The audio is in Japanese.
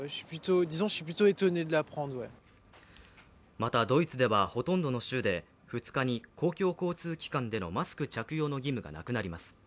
またドイツでは、ほとんどの州で２日に公共交通機関でのマスク着用の義務がなくなります